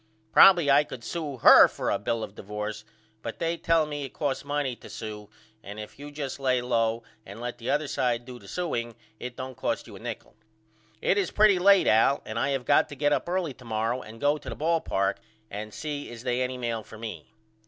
Probily I could sew her for a bill of divorce but they tell me it costs money to sew and if you just lay low and let the other side do the sewing it don't cost you a nichol. It is pretty late Al and I have got to get up early to morrow and go to the ball park and see is they any mail for me.